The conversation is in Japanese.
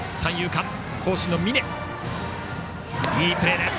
峯、いいプレーです。